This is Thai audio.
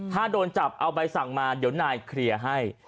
ถ้าโดนจับเอาใบสั่งมาเดี๋ยวนายเคลียร์ให้